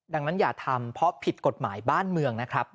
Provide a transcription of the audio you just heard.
ดังนั้นอย่าทำเพราะผิดกฎหมายบ้านเมืองนะครับ